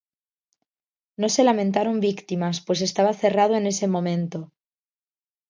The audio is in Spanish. No se lamentaron víctimas, pues estaba cerrado en ese momento.